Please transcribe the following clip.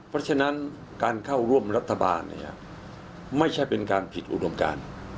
เพราะฉะนั้นการเข้าร่วมรัฐบาลเนี่ยไม่ใช่เป็นการผิดอุดมการ